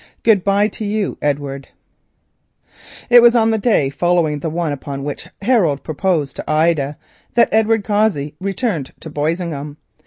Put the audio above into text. "GOOD BYE TO YOU, EDWARD" It was on the day following the one upon which Harold proposed to Ida, that Edward Cossey returned to Boisingham.